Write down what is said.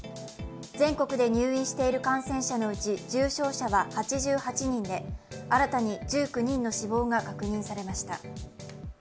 全国で入院している感染者のうち重症者は８８人で新たに１９人の死亡が確認されました。